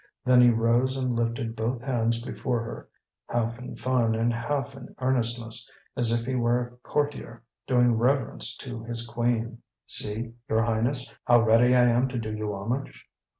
Then he rose and lifted both hands before her, half in fun and half in earnestness, as if he were a courtier doing reverence to his queen. "See, your Highness, how ready I am to do you homage!